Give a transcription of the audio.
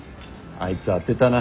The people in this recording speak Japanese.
あいつ当てたな。